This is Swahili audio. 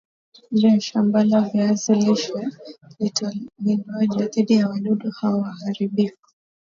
Je shambala viazi lishe liatalindwaje dhidi ya wadudu hao haribifu